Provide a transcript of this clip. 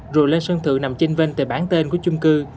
rồi lên sân thượng nằm trên vênh tờ bản tên của chung cư